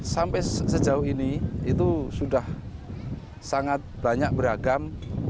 sampai sejauh ini itu sudah sangat banyak beragam